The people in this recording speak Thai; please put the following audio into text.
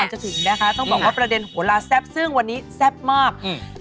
จะถึงนะคะต้องบอกว่าประเด็นโหลาแซ่บซึ่งวันนี้แซ่บมากอืม